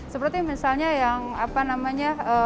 seperti misalnya yang apa namanya